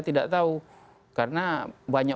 tidak tahu karena banyak